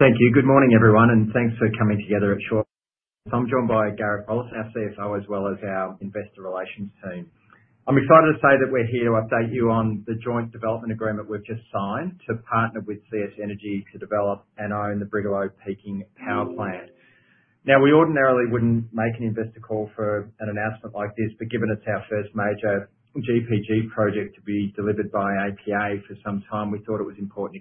Thank you. Good morning, everyone, and thanks for coming together at short. I'm joined by Garrick Rollason, our CFO, as well as our investor relations team. I'm excited to say that we're here to update you on the joint development agreement we've just signed to partner with CS Energy to develop and own the Brigalow Peaking Power Plant. Now, we ordinarily wouldn't make an investor call for an announcement like this, but given it's our first major GPG project to be delivered by APA for some time, we thought it was important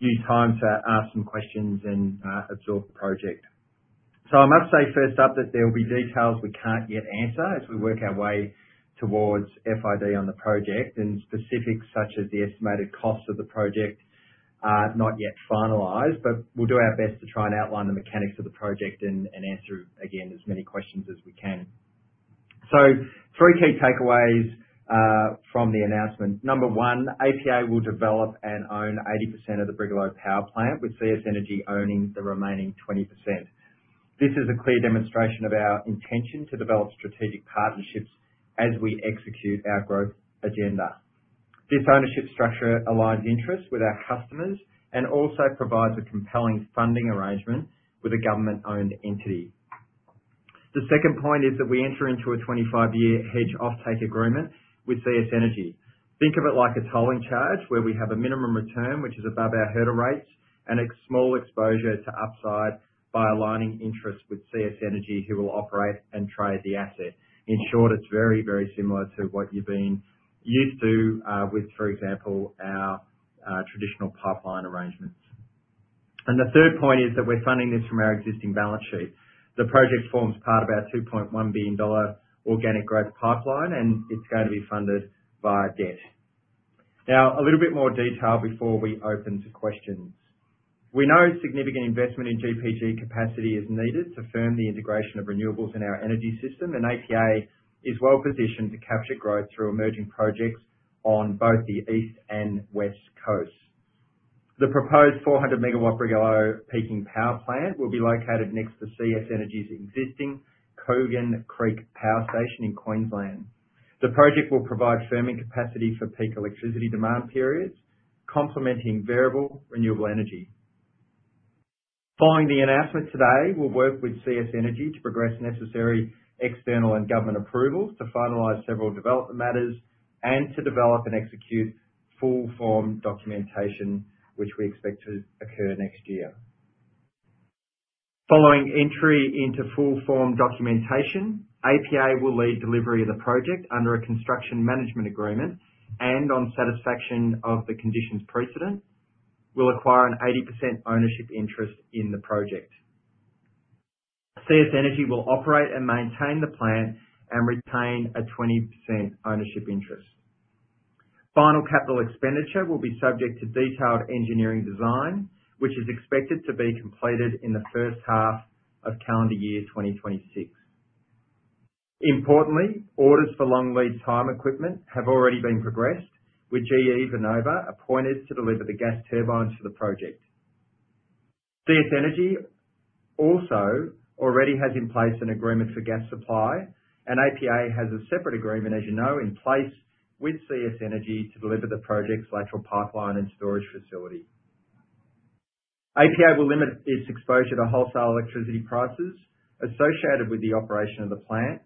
to use time to ask some questions and absorb the project. I must say first up that there will be details we can't yet answer as we work our way towards FID on the project, and specifics such as the estimated costs of the project are not yet finalized, but we'll do our best to try and outline the mechanics of the project and answer, again, as many questions as we can. Three key takeaways from the announcement. Number one, APA will develop and own 80% of the Brigalow power plant, with CS Energy owning the remaining 20%. This is a clear demonstration of our intention to develop strategic partnerships as we execute our growth agenda. This ownership structure aligns interests with our customers and also provides a compelling funding arrangement with a government-owned entity. The second point is that we enter into a 25-year hedge-offtake agreement with CS Energy. Think of it like a tolling charge where we have a minimum return which is above our hurdle rates and a small exposure to upside by aligning interests with CS Energy who will operate and trade the asset. In short, it is very, very similar to what you have been used to with, for example, our traditional pipeline arrangements. The third point is that we are funding this from our existing balance sheet. The project forms part of our 2.1 billion dollar organic growth pipeline, and it is going to be funded via debt. Now, a little bit more detail before we open to questions. We know significant investment in GPG capacity is needed to firm the integration of renewables in our energy system, and APA is well positioned to capture growth through emerging projects on both the east and west coasts. The proposed 400 MW Brigalow Peaking Power Plant will be located next to CS Energy's existing Kogan Creek Power Station in Queensland. The project will provide firming capacity for peak electricity demand periods, complementing variable renewable energy. Following the announcement today, we'll work with CS Energy to progress necessary external and government approvals to finalize several development matters and to develop and execute full-form documentation, which we expect to occur next year. Following entry into full-form documentation, APA will lead delivery of the project under a construction management agreement and on satisfaction of the conditions precedent. We'll acquire an 80% ownership interest in the project. CS Energy will operate and maintain the plant and retain a 20% ownership interest. Final capital expenditure will be subject to detailed engineering design, which is expected to be completed in the first half of calendar year 2026. Importantly, orders for long lead time equipment have already been progressed, with GE Vernova appointed to deliver the gas turbines for the project. CS Energy also already has in place an agreement for gas supply, and APA has a separate agreement, as you know, in place with CS Energy to deliver the project's lateral pipeline and storage facility. APA will limit its exposure to wholesale electricity prices associated with the operation of the plant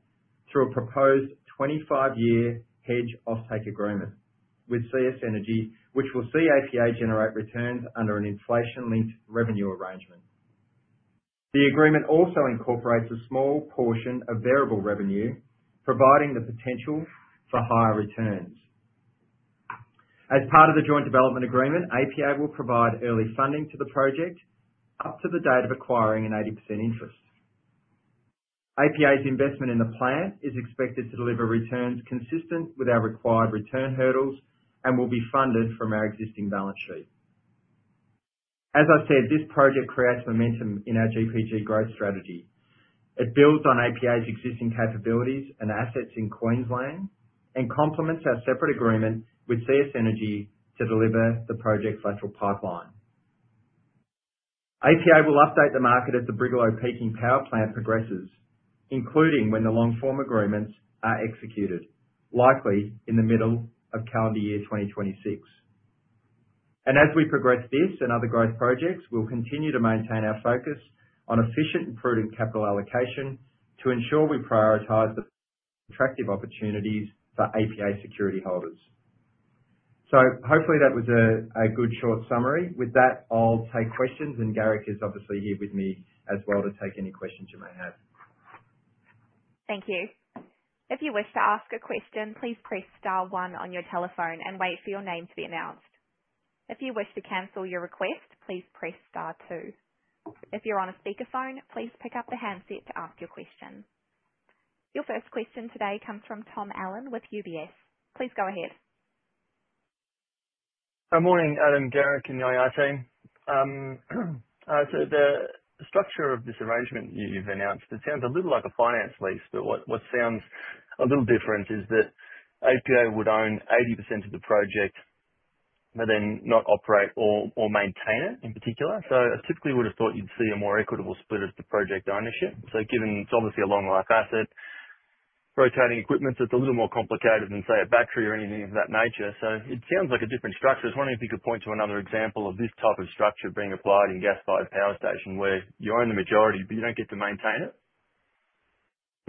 through a proposed 25-year hedge-offtake agreement with CS Energy, which will see APA generate returns under an inflation-linked revenue arrangement. The agreement also incorporates a small portion of variable revenue, providing the potential for higher returns. As part of the joint development agreement, APA will provide early funding to the project up to the date of acquiring an 80% interest. APA's investment in the plant is expected to deliver returns consistent with our required return hurdles and will be funded from our existing balance sheet. As I said, this project creates momentum in our GPG growth strategy. It builds on APA's existing capabilities and assets in Queensland and complements our separate agreement with CS Energy to deliver the project's lateral pipeline. APA will update the market as the Brigalow Peaking Power Plant progresses, including when the long-form agreements are executed, likely in the middle of calendar year 2026. As we progress this and other growth projects, we'll continue to maintain our focus on efficient and prudent capital allocation to ensure we prioritize the attractive opportunities for APA security holders. Hopefully that was a good short summary. With that, I'll take questions, and Garrick is obviously here with me as well to take any questions you may have. Thank you. If you wish to ask a question, please press star one on your telephone and wait for your name to be announced. If you wish to cancel your request, please press star two. If you're on a speakerphone, please pick up the handset to ask your question. Your first question today comes from Tom Allen with UBS. Please go ahead. Good morning, Adam, Garrick, and the IR team. The structure of this arrangement you've announced, it sounds a little like a finance lease, but what sounds a little different is that APA would own 80% of the project, but then not operate or maintain it in particular. I typically would have thought you'd see a more equitable split of the project ownership. Given it's obviously a long-life asset, rotating equipment, it's a little more complicated than, say, a battery or anything of that nature. It sounds like a different structure. I was wondering if you could point to another example of this type of structure being applied in a gas-fired power station where you own the majority, but you don't get to maintain it.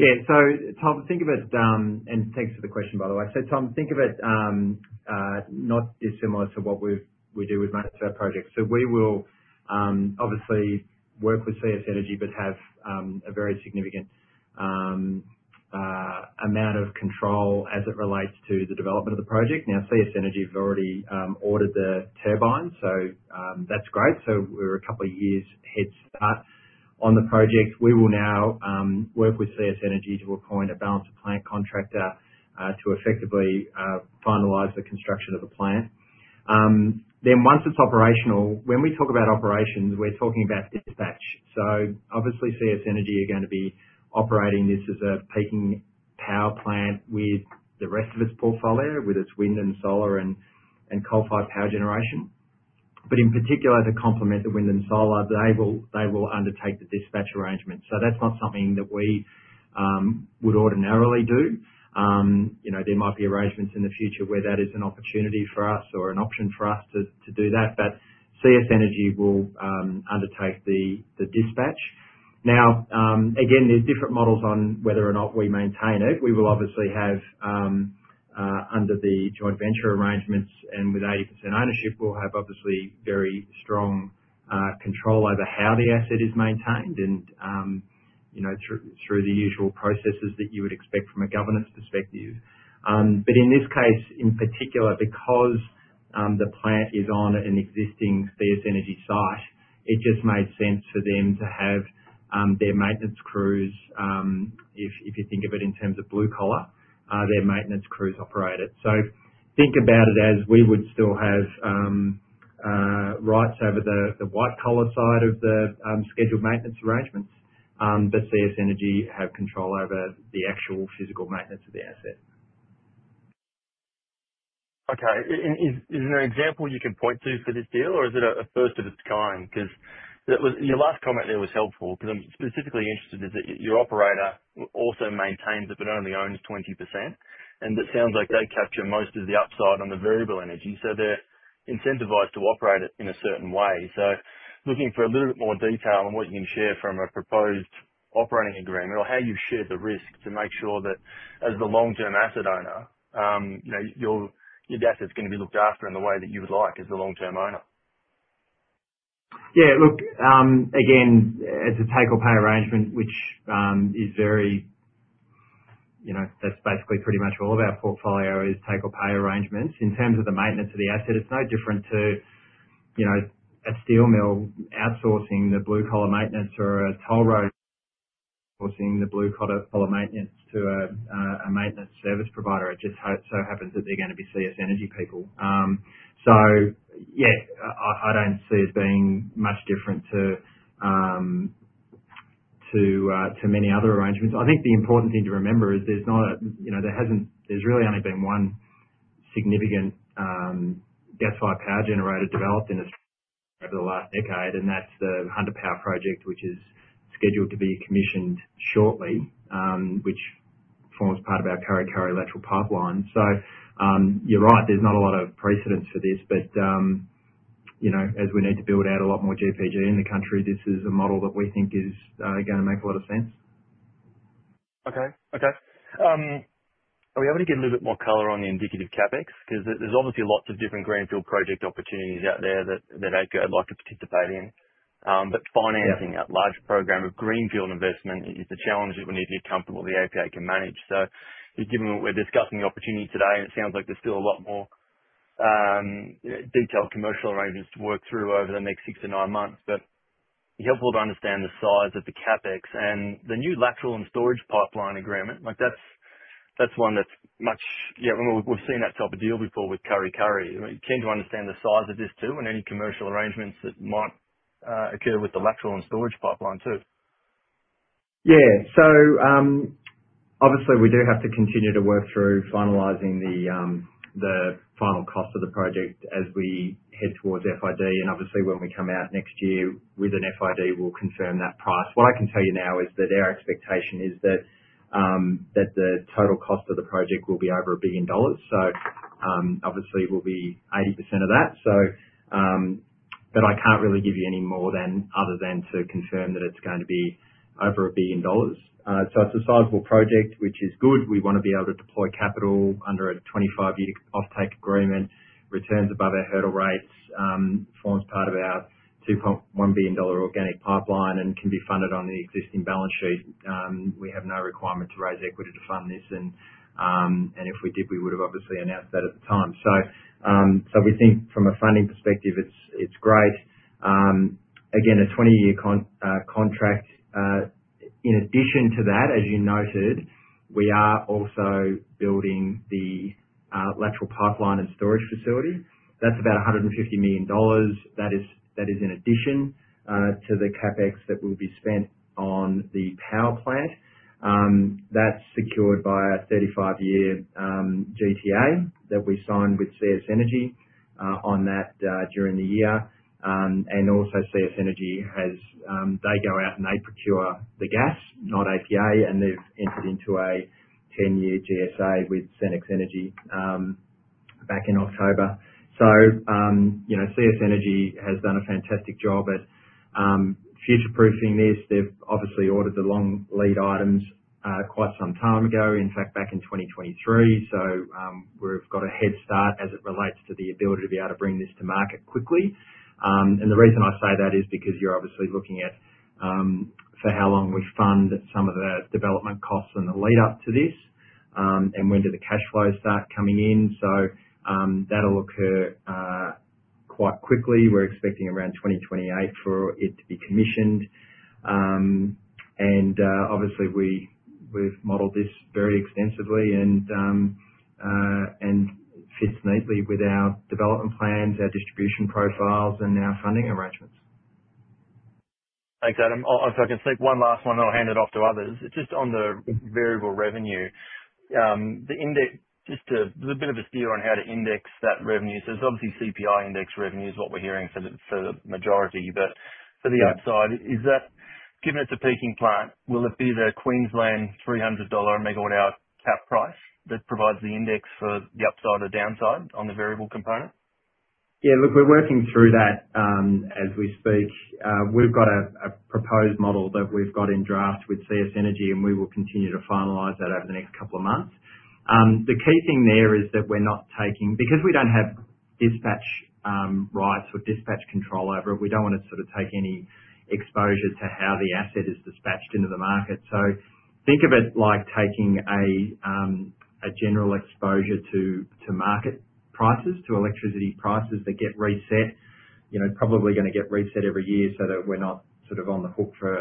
Yeah. So Tom, think of it and thanks for the question, by the way. So Tom, think of it not dissimilar to what we do with management projects. We will obviously work with CS Energy but have a very significant amount of control as it relates to the development of the project. Now, CS Energy have already ordered the turbines, so that's great. We are a couple of years head start on the project. We will now work with CS Energy to appoint a balance of plant contractor to effectively finalize the construction of the plant. Once it's operational, when we talk about operations, we're talking about dispatch. Obviously, CS Energy are going to be operating this as a peaking power plant with the rest of its portfolio, with its wind and solar and coal-fired power generation. In particular, to complement the wind and solar, they will undertake the dispatch arrangement. That is not something that we would ordinarily do. There might be arrangements in the future where that is an opportunity for us or an option for us to do that, but CS Energy will undertake the dispatch. Again, there are different models on whether or not we maintain it. We will obviously have, under the joint venture arrangements and with 80% ownership, very strong control over how the asset is maintained and through the usual processes that you would expect from a governance perspective. In this case, in particular, because the plant is on an existing CS Energy site, it just made sense for them to have their maintenance crews, if you think of it in terms of blue collar, their maintenance crews operate it. Think about it as we would still have rights over the white collar side of the scheduled maintenance arrangements, but CS Energy have control over the actual physical maintenance of the asset. Okay. Is there an example you could point to for this deal, or is it a first of its kind? Because your last comment there was helpful. Because I'm specifically interested is that your operator also maintains it but only owns 20%, and it sounds like they capture most of the upside on the variable energy. So they're incentivised to operate it in a certain way. Looking for a little bit more detail on what you can share from a proposed operating agreement or how you've shared the risk to make sure that as the long-term asset owner, your asset's going to be looked after in the way that you would like as the long-term owner. Yeah. Look, again, it's a take-or-pay arrangement, which is very that's basically pretty much all of our portfolio is take-or-pay arrangements. In terms of the maintenance of the asset, it's no different to a steel mill outsourcing the blue collar maintenance or a toll road outsourcing the blue collar maintenance to a maintenance service provider. It just so happens that they're going to be CS Energy people. Yeah, I don't see it being much different to many other arrangements. I think the important thing to remember is there's not a there's really only been one significant gas-fired power generator developed in Australia over the last decade, and that's the Hunter Power Project, which is scheduled to be commissioned shortly, which forms part of our Kara Curry lateral pipeline. You're right, there's not a lot of precedence for this, but as we need to build out a lot more GPG in the country, this is a model that we think is going to make a lot of sense. Okay. Okay. Are we able to get a little bit more color on the indicative CapEx? Because there's obviously lots of different greenfield project opportunities out there that APA would like to participate in. Financing that large program of greenfield investment is a challenge that we need to be comfortable that APA can manage. Given that we're discussing the opportunity today, and it sounds like there's still a lot more detailed commercial arrangements to work through over the next six to nine months, it's helpful to understand the size of the CapEx and the new lateral and storage pipeline agreement. That's one that's much, yeah, we've seen that type of deal before with Kara Curry. You tend to understand the size of this too and any commercial arrangements that might occur with the lateral and storage pipeline too. Yeah. Obviously, we do have to continue to work through finalizing the final cost of the project as we head towards FID. Obviously, when we come out next year with an FID, we'll confirm that price. What I can tell you now is that our expectation is that the total cost of the project will be over 1 billion dollars. Obviously, we'll be 80% of that. I can't really give you any more other than to confirm that it's going to be over 1 billion dollars. It's a sizable project, which is good. We want to be able to deploy capital under a 25-year offtake agreement, returns above our hurdle rates, forms part of our 2.1 billion dollar organic pipeline, and can be funded on the existing balance sheet. We have no requirement to raise equity to fund this. If we did, we would have obviously announced that at the time. We think from a funding perspective, it's great. Again, a 20-year contract. In addition to that, as you noted, we are also building the lateral pipeline and storage facility. That's about 150 million dollars. That is in addition to the CapEx that will be spent on the power plant. That's secured by a 35-year GTA that we signed with CS Energy on that during the year. Also, CS Energy has, they go out and they procure the gas, not APA, and they've entered into a 10-year GSA with Senex Energy back in October. CS Energy has done a fantastic job at future-proofing this. They've obviously ordered the long lead items quite some time ago, in fact, back in 2023. We've got a head start as it relates to the ability to be able to bring this to market quickly. The reason I say that is because you're obviously looking at for how long we fund some of the development costs and the lead-up to this and when do the cash flows start coming in. That'll occur quite quickly. We're expecting around 2028 for it to be commissioned. Obviously, we've modelled this very extensively and it fits neatly with our development plans, our distribution profiles, and our funding arrangements. Thanks, Adam. If I can slip one last one, then I'll hand it off to others. Just on the variable revenue, just a bit of a spiel on how to index that revenue. It is obviously CPI index revenue is what we're hearing for the majority, but for the upside, given it's a peaking plant, will it be the Queensland $300 MWh cap price that provides the index for the upside or downside on the variable component? Yeah. Look, we're working through that as we speak. We've got a proposed model that we've got in draft with CS Energy, and we will continue to finalise that over the next couple of months. The key thing there is that we're not taking because we don't have dispatch rights or dispatch control over it, we don't want to sort of take any exposure to how the asset is dispatched into the market. Think of it like taking a general exposure to market prices, to electricity prices that get reset, probably going to get reset every year so that we're not sort of on the hook for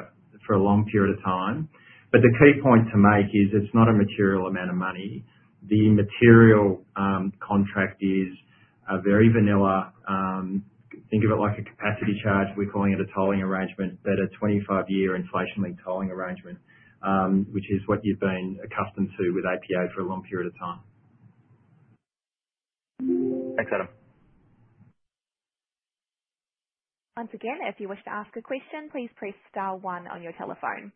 a long period of time. The key point to make is it's not a material amount of money. The material contract is very vanilla. Think of it like a capacity charge. We're calling it a tolling arrangement, but a 25-year inflation-linked tolling arrangement, which is what you've been accustomed to with APA for a long period of time. Thanks, Adam. Once again, if you wish to ask a question, please press star one on your telephone.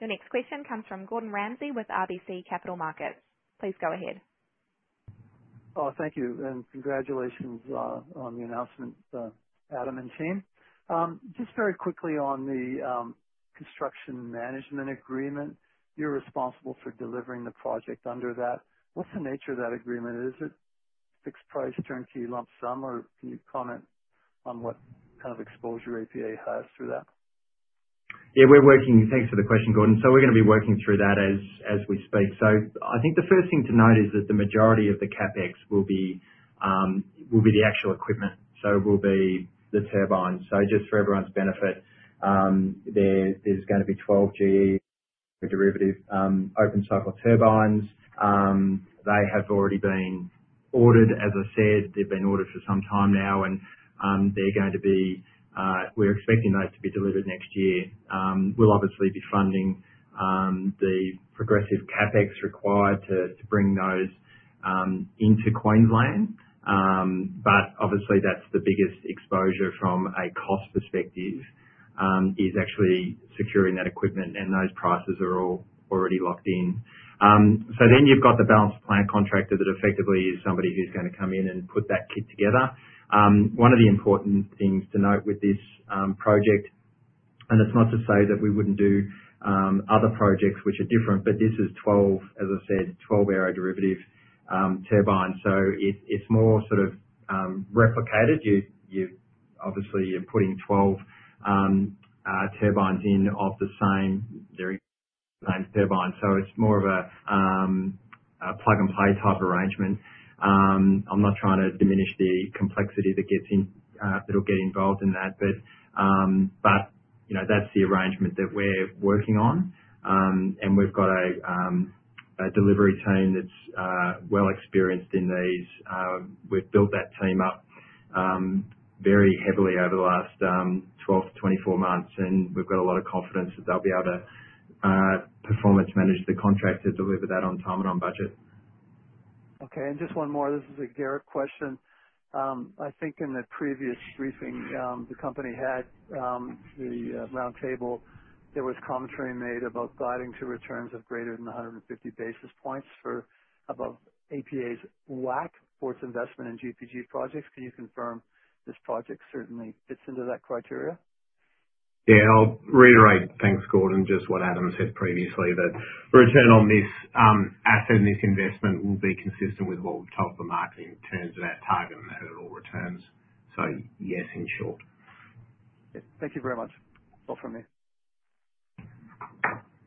Your next question comes from Gordon Ramsay with RBC Capital Markets. Please go ahead. Thank you. Congratulations on the announcement, Adam and team. Just very quickly on the construction management agreement, you're responsible for delivering the project under that. What's the nature of that agreement? Is it fixed price, turnkey, lump sum, or can you comment on what kind of exposure APA has through that? Yeah. Thanks for the question, Gordon. We're going to be working through that as we speak. I think the first thing to note is that the majority of the CapEx will be the actual equipment. It will be the turbines. Just for everyone's benefit, there's going to be 12 GE derivative open-cycle turbines. They have already been ordered, as I said. They've been ordered for some time now, and we're expecting those to be delivered next year. We'll obviously be funding the progressive CapEx required to bring those into Queensland. Obviously, that's the biggest exposure from a cost perspective, is actually securing that equipment, and those prices are all already locked in. You've got the balance of plant contractor that effectively is somebody who's going to come in and put that kit together. One of the important things to note with this project, and it's not to say that we wouldn't do other projects which are different, but this is, as I said, 12 derivative turbines. It is more sort of replicated. Obviously, you're putting 12 turbines in of the same turbine. It is more of a plug-and-play type arrangement. I'm not trying to diminish the complexity that'll get involved in that, but that's the arrangement that we're working on. We have a delivery team that's well experienced in these. We've built that team up very heavily over the last 12 - 24 months, and we've got a lot of confidence that they'll be able to performance manage the contractor, deliver that on time and on budget. Okay. Just one more. This is a Garrick question. I think in the previous briefing, the company had the round table, there was commentary made about guiding to returns of greater than 150 basis points above APA's WAC for its investment in GPG projects. Can you confirm this project certainly fits into that criteria? Yeah. I'll reiterate, thanks, Gordon, just what Adam said previously, that the return on this asset and this investment will be consistent with what we've told the market in terms of our target and how it all returns. Yes, in short. Thank you very much. No more from me.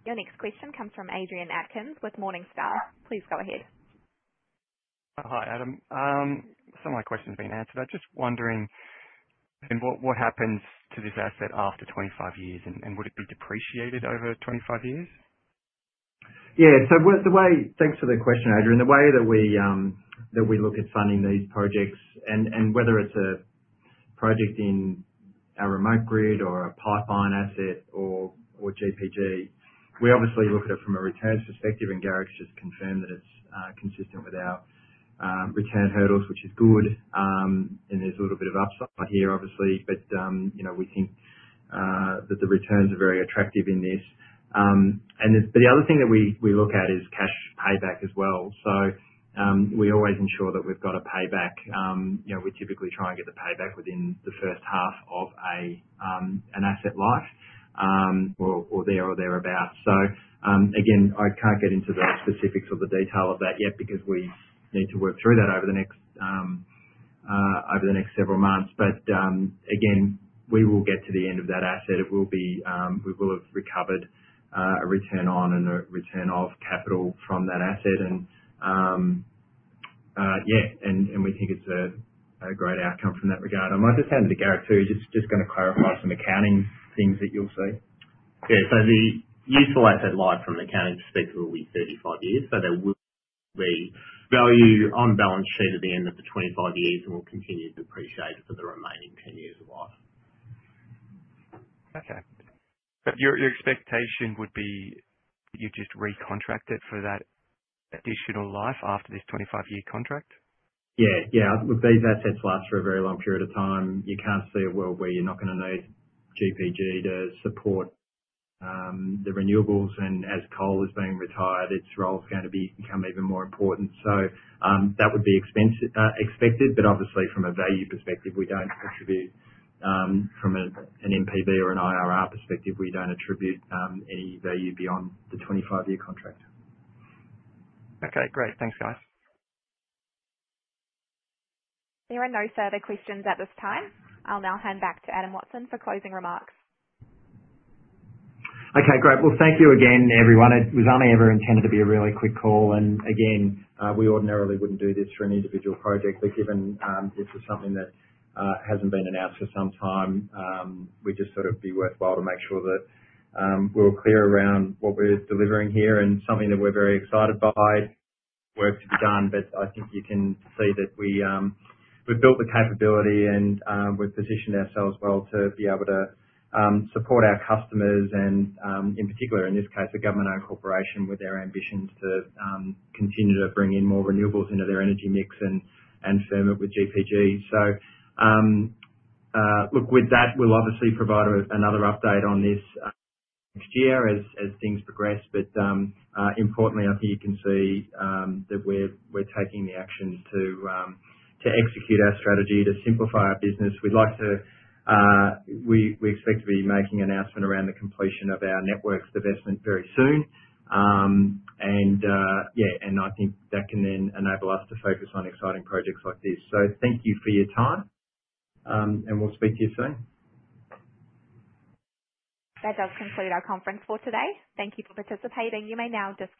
Your next question comes from Adrian Atkins with Morningstar. Please go ahead. Hi, Adam. Some of my questions have been answered. I'm just wondering what happens to this asset after 25 years, and would it be depreciated over 25 years? Yeah. Thanks for the question, Adrian. The way that we look at funding these projects, whether it's a project in a remote grid or a pipeline asset or GPG, we obviously look at it from a returns perspective. Garrick's just confirmed that it's consistent with our return hurdles, which is good. There's a little bit of upside here, obviously, but we think that the returns are very attractive in this. The other thing that we look at is cash payback as well. We always ensure that we've got a payback. We typically try and get the payback within the first half of an asset life or there or thereabouts. Again, I can't get into the specifics or the detail of that yet because we need to work through that over the next several months. Again, we will get to the end of that asset. We will have recovered a return on and a return of capital from that asset. Yeah, we think it's a great outcome from that regard. I might just hand it to Garrick too. Just going to clarify some accounting things that you'll see. Yeah. The useful asset life from an accounting perspective will be 35 years. There will be value on balance sheet at the end of the 25 years, and we'll continue to depreciate for the remaining 10 years of life. Okay. Your expectation would be that you just recontract it for that additional life after this 25-year contract? Yeah. Yeah. With these assets last for a very long period of time, you can't see a world where you're not going to need GPG to support the renewables. As coal is being retired, its role is going to become even more important. That would be expected. Obviously, from a value perspective, we don't attribute from an NPV or an IRR perspective, we don't attribute any value beyond the 25-year contract. Okay. Great. Thanks, guys. There are no further questions at this time. I'll now hand back to Adam Watson for closing remarks. Great. Thank you again, everyone. It was only ever intended to be a really quick call. Again, we ordinarily wouldn't do this for an individual project. Given this is something that hasn't been announced for some time, we just thought it would be worthwhile to make sure that we're clear around what we're delivering here and something that we're very excited by. Work to be done. I think you can see that we built the capability, and we've positioned ourselves well to be able to support our customers and, in particular, in this case, a government-owned corporation with their ambitions to continue to bring in more renewables into their energy mix and firm it with GPG. Look, with that, we'll obviously provide another update on this next year as things progress. Importantly, I think you can see that we're taking the actions to execute our strategy to simplify our business. We expect to be making an announcement around the completion of our networks investment very soon. I think that can then enable us to focus on exciting projects like this. Thank you for your time, and we'll speak to you soon. That does conclude our conference for today. Thank you for participating. You may now disconnect.